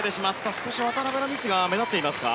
少し渡辺のミスが目立っていますか。